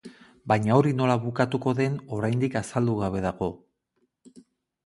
Baina hori nola bukatuko den oraindik azaldu gabe dago.